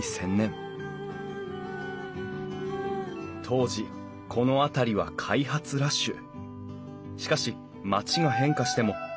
当時この辺りは開発ラッシュ。